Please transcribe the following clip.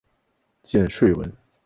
见说文。